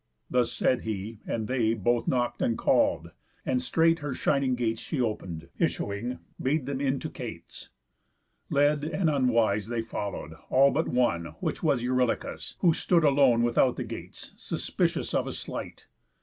Thus said he, and they Both knock'd, and call'd; and straight her shining gates She open'd, issuing, bade them in to cates. Led, and unwise, they follow'd; all but one, Which was Eurylochus, who stood alone Without the gates, suspicious of a sleight.